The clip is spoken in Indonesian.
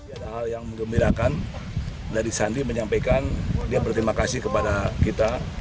ada hal yang mengembirakan dari sandi menyampaikan dia berterima kasih kepada kita